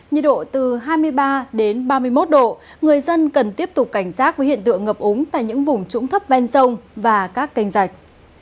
nhiệt độ từ hai mươi ba đến ba mươi một độ người dân cần tiếp tục cảnh giác với hiện tượng ngập úng tại những vùng trũng thấp ven sông và các kênh dạch